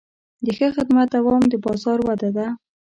د ښه خدمت دوام د بازار وده ده.